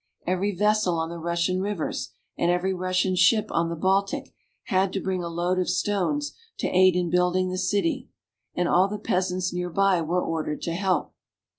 Every vessel on the Russian rivers and every Russian ship on the Baltic had to bring a load of stones to aid in building the city, and all the peasants near by were ordered to help.